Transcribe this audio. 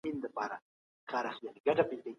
مولي وایي چي څېړنه یوه سمه پلټنه ده.